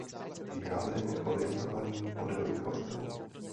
Jádrem je orientovaný podélný kostel.